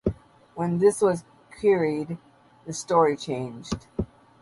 When this was queried, the story changed.